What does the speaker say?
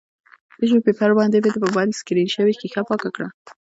ټیشو پیپر باندې مې د مبایل سکریچ شوې ښیښه پاکه کړه